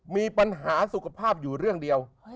มีปัญหาสุขภาพอยู่เรื่องเดียว